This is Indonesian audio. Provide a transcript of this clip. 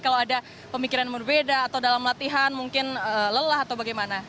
kalau ada pemikiran berbeda atau dalam latihan mungkin lelah atau bagaimana